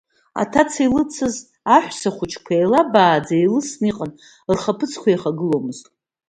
Аҭаца илыцыз аҳәсахәыҷқәа еилабааӡа еилысны иҟан, рхаԥыцқәа еихагыломызт.